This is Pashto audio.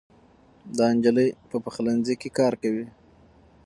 دا نجلۍ په پخلنځي کې کار کوي.